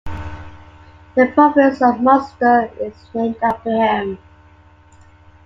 The province of Munster is named after him.